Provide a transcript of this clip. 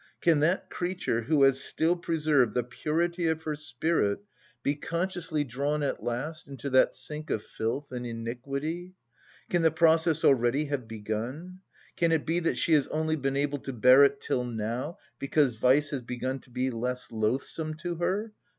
"Can that creature who has still preserved the purity of her spirit be consciously drawn at last into that sink of filth and iniquity? Can the process already have begun? Can it be that she has only been able to bear it till now, because vice has begun to be less loathsome to her?